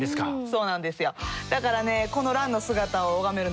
そうなんですよ。